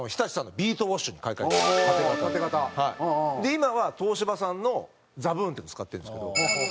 今は東芝さんのＺＡＢＯＯＮっていうのを使ってるんですけど。